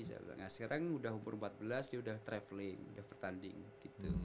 sekarang udah umur empat belas dia udah travelling udah pertanding gitu